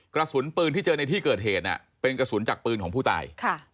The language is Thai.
กระสุนปืนที่เจอในที่เกิดเหตุเป็นกระสุนจากปืนของผู้ตาย